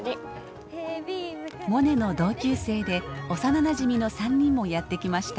モネの同級生で幼なじみの３人もやって来ました。